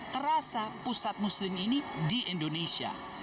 terasa pusat muslim ini di indonesia